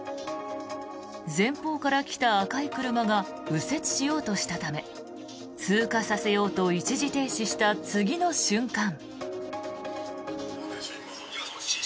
前方から来た赤い車が右折しようとしたため通過させようと一時停止した次の瞬間。